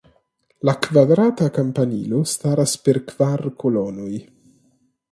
La kvadrata kampanilo staras per kvar kolonoj.